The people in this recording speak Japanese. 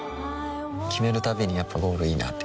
決めるたびにやっぱゴールいいなってふん